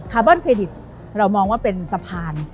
บอนเครดิตเรามองว่าเป็นสะพาน